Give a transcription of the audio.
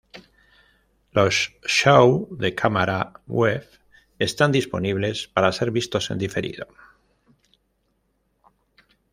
Los show de cámara web están disponibles para ser vistos en diferido.